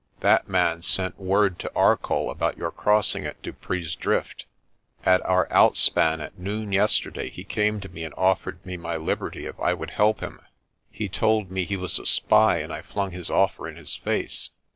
That man sent word to Arcoll about your crossing at Dupree's Drift. At our outspan at noon yesterday he came to me and offered me my liberty if I would help him. He told me he was a spy and I flung his offer in his face.